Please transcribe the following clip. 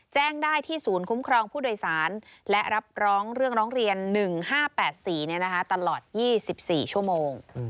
แจ้งได้ที่ศูนย์คุ้มครองผู้โดยสารและรับร้องเรื่องร้องเรียน๑๕๘๔ตลอด๒๔ชั่วโมง